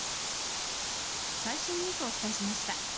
最新ニュースをお伝えしました。